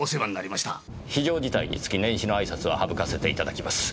非常事態につき年始の挨拶は省かせて頂きます。